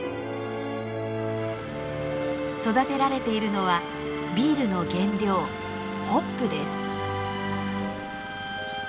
育てられているのはビールの原料ホップです。